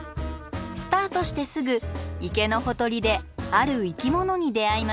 スタートしてすぐ池のほとりである生き物に出会います。